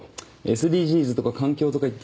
ＳＤＧｓとか環境とか言っ